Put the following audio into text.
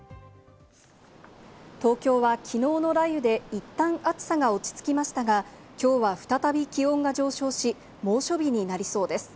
東京はきのうの雷雨でいったん暑さが落ち着きましたが、きょうは再び気温が上昇し、猛暑日になりそうです。